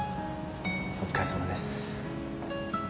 お疲れさまです。